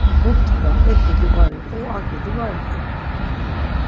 Mu ptkva, ek idi var iqu, ak idi var iqu.